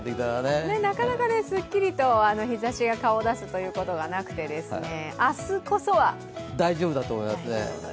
なかなか、すっきりと日ざしが顔を出すということがなくて大丈夫だと思います。